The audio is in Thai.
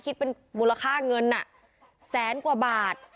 สี่คิดเป็นเงินการซังเป็นกว่าบาท